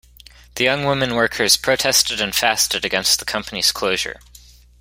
The young women workers protested and fasted against the company's closure.